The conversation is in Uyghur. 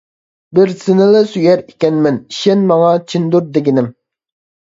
بىر سېنىلا سۆيەر ئىكەنمەن، ئىشەن ماڭا چىندۇر دېگىنىم.